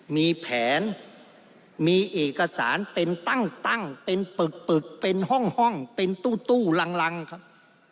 มีแผนมีเอกสารเป็นตั้งเป็นปึกเป็นห้องเป็นตู้ลังครับ